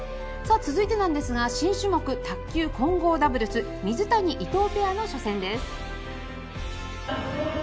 続いてなんですが新種目、卓球混合ダブルス水谷・伊藤ペアの初戦です。